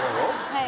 はい。